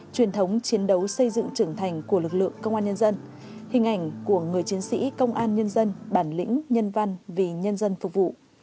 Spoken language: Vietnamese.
truyền thống chiến đấu xây dựng trưởng thành của lực lượng công an nhân dân hình ảnh của người chiến sĩ công an nhân dân bản lĩnh nhân văn vì nhân dân phục vụ